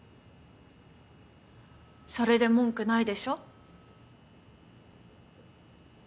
それで文句ないでしょ？